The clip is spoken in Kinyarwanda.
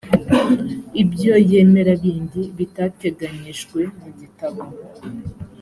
ibyo yemera bindi bitateganyijwe mu gitabo